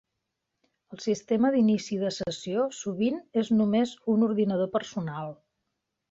El sistema d'inici de sessió sovint és només un ordinador personal.